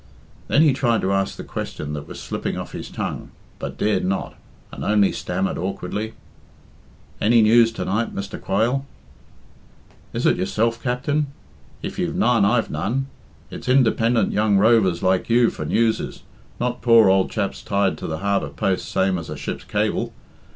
Then he tried to ask the question that was slipping off his tongue, but dared not, and only stammered awkwardly "Any news to night, Mr. Quay le?" "Is it yourself, Capt'n? If you've none, I've none. It's independent young rovers like you for newses, not poor ould chaps tied to the harbour post same as a ship's cable.